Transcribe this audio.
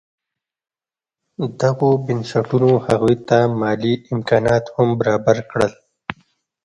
دغو بنسټونو هغوی ته مالي امکانات هم برابر کړل.